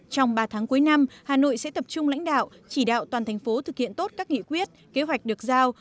trong ba tháng cuối năm hà nội sẽ tập trung lãnh đạo chỉ đạo toàn thành phố thực hiện tốt các nghị quyết kế hoạch được giao